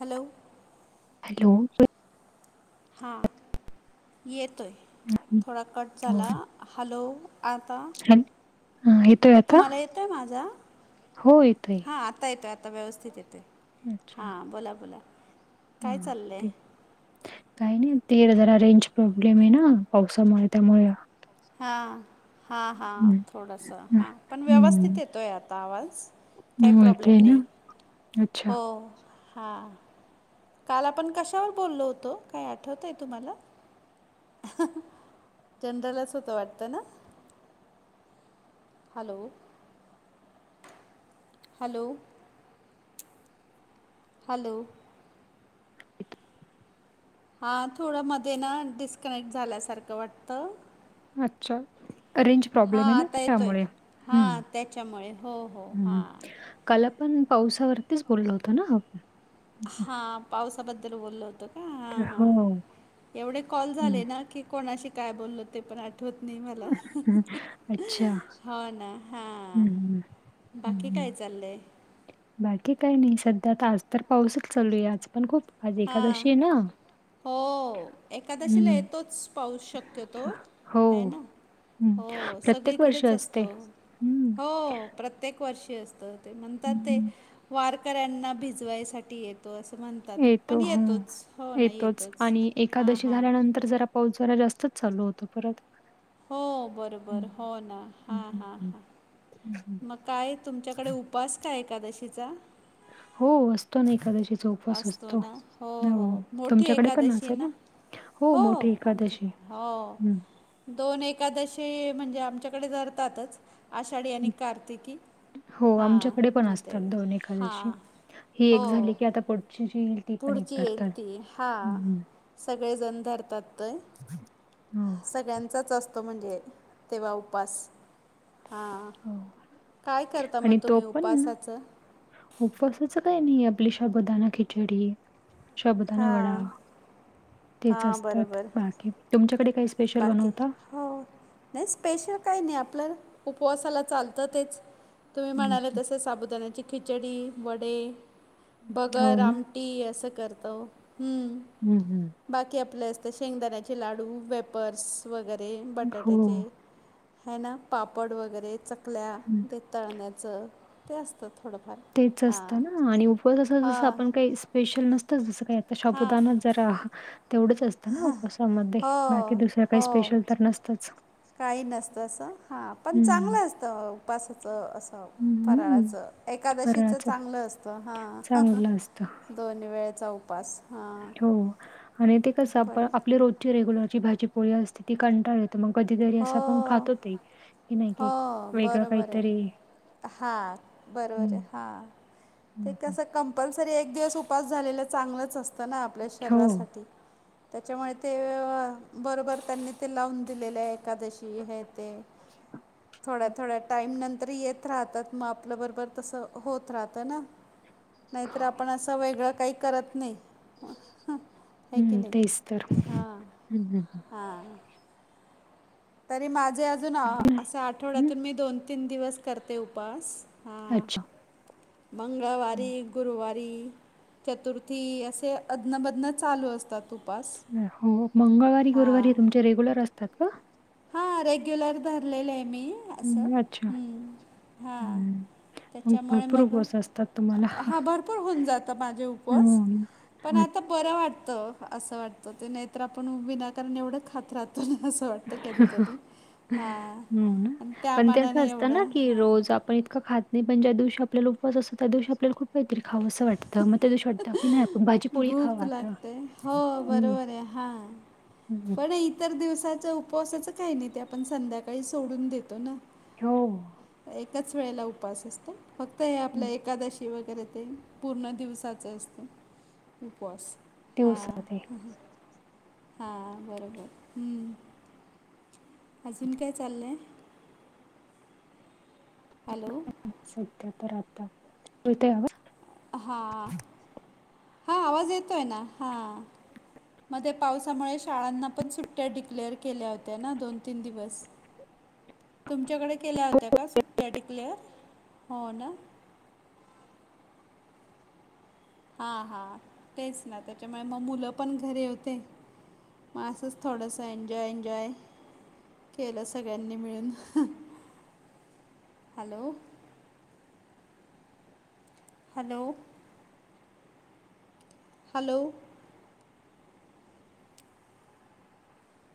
Hello hello. हां, येतोय थोडा कट हो झाला हॅलो, आता [unintelligible] हा ये तुम्हाला येतोय माझा? हो येतोय हां आता येतोय आता व्यवस्थित येतोय. अच्छा हां, बोला बोला काय हा चाललंय? ते काही नाही ते इकडे जरा रेंज प्रॉब्लेम आहे ना पावसामुळे त्यामुळे. हा हा हा हम्म थोडासा हा पण व्यवस्थित येतोय आता आवाज. काय प्रॉब्लेम होेतय ना नाही अच्छा हो हा. काल आपण कशावर बोललो होतो काय आठवतंय तुम्हाला? जनरलच होतं वाटतं ना? हॅलो. हॅलो. हॅलो. हां, थोडं मध्ये ना डिस्कनेक्ट झाल्यासारखं वाटतं. अच्छा. रेंज हां प्रॉब्लेम आहे ना आता येतोय त्यामुळे हां हम्म त्याच्यामुळे हो हो हम्म. हां काल आपण पावसावरतीच बोललो होतो ना. [inaudible] हा पावसाबद्दल बोललं होतं का हो हां एवढे कॉल हं. झाले ना की कोणाशी काय बोललो ते पण आठवत नाही मला हं. अच्छा हाव ना. हां, हम्म बाकी हम्म काय चाललंय? बाकी काही नाही सध्या आज तर पाऊसच चालू आहे आज पण खूप आज हा एकादशी आहे ना हो एकादशीला हम्म येतोच पाऊस शक्यतो है हो. ना हं. हो प्रत्येक वर्षी सगळीकडेच असते. असतो. हं. हो प्रत्येक वर्षी असतं ते म्हणतात ते हं. वारकऱ्यांना भिजवायसाठी येतो असं म्हणतात. तो पण हो येतोच हो ना येतोच आणि हां एकादशी हां झाल्यानं तर जरा पाऊस जरा जास्तच चालू होतो परत. हो हं, बरोबर हो ना हा हा हा. हम्म. मग काय तुमच्याकडे उपास काय एकादशीचा? हो असतो ना एकादशी चो उपवास असतो नाय हो तुमच्याकडे पण असेल ना हो मोठी एकादशी. हो हं. दोन एकादशी म्हणजे आमच्याकडे धरतातच आषाढी आणि हं. कार्तिकी. हो हां आमच्याकडे पण मग ते असतात दोन एकादशी हां ही हो एक झाली की आता पुढची जी येईल. ती पण एक पुढची येईल धरतात. ती हा हं, हं. सगळे जण धरतात तय. हो, सगळ्यांचाच असतो म्हणजे तेव्हा उपास. हां हो. काय करता म तुम्ही उपासाचं? उपवासाचा काय नाही आपली शाबुदाना खिचडी, शबुदाना वडा. हां तेच हां असतात बरोबर बाकी! तुमच्याकडे काहीच बाकी! हो, नाही स्पेशल काही नाही, आपल्या उपवासाला चालतं तेच! तुम्ही हं, म्हणाले तसे साबुदाण्याची खिचडी, वडे, हो भगर ना. आम टी असं करतो! हं हम्, हम्म! बाकी आपले असते. शेंगदाण्याचे लाडू, वेपर्स वगैरे हो. बटाट्याचे हे ना, पापड वगैरे चकल्या हं. ते तळण्याचं ते असतं थोडंफार तेच हां असतं ना! आणि उपवास जसं आपण हां काही स्पेशल नसतंच जसं काही आता हां शाबुदाणा हा, तेवढंच असतं ना उपवासामध्ये, बाकी हो दुसरं काही हो स्पेशल तर नसतच काही नसतं असं, हां पण हं. चांगलं असतं उपासाचं असं हं. फराळाचं, एकादशीच फराळाचं चांगलं असतं हा चांगलं असतं. दोन वेळेचा उपास, हां हो, आणि ते कसं आप परत आपली रोजची रेग्युलरची भाजीपोळी असते. ती कंटाळा येतो तर मग कधीतरी असं, आपण हो खातो ते नाही हो की वेगळं बरोबर आहे, काहीतरी हां बरोबर हं. आहे, हा! [unintelligible] कंपल्सरी एक दिवस उपास झालेलं चांगलंच असतं ना, आपल्या हो. शरीरासाठी त्याच्यामुळे ते बरोबर त्यांनी ते लावून दिलेलं आहे. एकादशी हे ते [unintelligible] थोड्या, हं. थोड्या टाईम नंतर येत राहतात. मग आपल्या बरोबर तसं होत राहतं ना नाहीतर आपण असं वेगळं काही करत नाही. आहे की हम्म, नाही तेच तर, हम्, हम् ह्! हा! तरी माझे अजून अं, असे हं, आठवड्यातून मी दोन - तीन दिवस करते उपास. हा! अच्छा. हं. मंगळवारी, गुरुवारी री, चतुर्थी असे अदन मदन चालू असतात. उपास हो! मंगळवारी, गुरुवारी तुमचे असतात का? हा रेग्युलर धरलेलं आहे मी, असं हं, अच्छा. हं, हा! हं. मग त्याच्यामुळे भरपूर मग, उपवास असतात तुम्हाला. हा भरपूर होऊन जातं माझे उपवास. हो ना. पण हो. आता बरं वाटतं, असं वाटतं ते, नाहीतर आपण विनाकारण एवढं खात राहतो ना, असं वाटत होतं, कधी - कधी हं, आणि त्या पण तेच मानाने असतं ना एवढं की, हां रोज आपण इतकं खात नाही, पण ज्या दिवशी आपल्याला उपवास असत त्या दिवशी आपल्याला खूप काहीतरी खावं असं वाटतं, मग त्या दिवशी वाटतं की, नाही आपण भाजीपोळी भूक खावा आता! हम् हा! हम्म! इतर दिवसाच उपवासाचं काही नाही, ते आपण संध्याकाळी सोडून देतो ना. हो! एकाच वेळेला उपास असतो. फक्त हे आपल्या हं. एकादशी वगैरे तेन पूर्ण दिवसाचं असत. उपवास ते हा! उसळते हा, बरोबर हम्म! अजून काय चाललयं? हॅलो! सध्या तर आता, [unintelligible] हां, हा आवाज येतोय ना, हां मध्ये पावसामुळे शाळांना पण सुट्ट्या डिक्लेअर केल्या होत्या ना, दोन तीन दिवस. तुमच्याकडे केल्या होत्या का, सुट्ट्या डिक्लेअर, हो ना हा हा, तेच ना त्याच्यामुळे मग मुलं पण घरी होते मग असंच थोडासं, एन्जॉय एन्जॉय केलं सगळ्यांनी मिळून, हॅलो हॅलो हॅलो